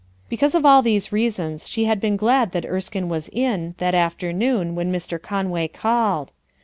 Because of all these reasons she had been glad that Erskine was in, that afternoon when Mr* Conway called.